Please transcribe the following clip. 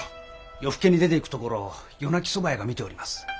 夜更けに出ていくところを夜鳴き蕎麦屋が見ております。